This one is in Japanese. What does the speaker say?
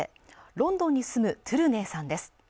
ロンドンに住むトゥルネイさんです